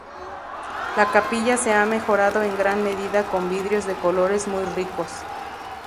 La capilla se ha mejorado en gran medida con vidrios de colores muy ricos.